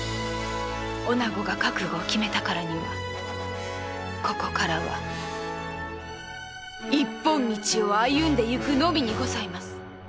女子が覚悟を決めたからにはここからは一本道を歩んでいくのみにございます。